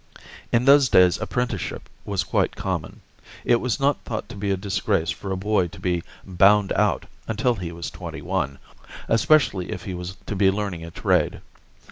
In those days apprenticeship was quite common. It was not thought to be a disgrace for a boy to be "bound out" until he was twenty one, especially if he was to be learning a trade.